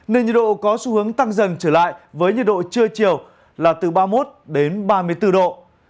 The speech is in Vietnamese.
nên nhiệt độ có xu hướng tăng dần trở lại với nhiệt độ trưa chiều là từ ba mươi một ba mươi bốn độ